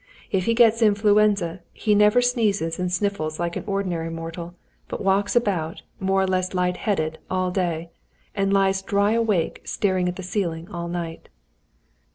If he gets influenza, he never sneezes and snuffles like an ordinary mortal, but walks about, more or less light headed, all day; and lies dry awake, staring at the ceiling all night."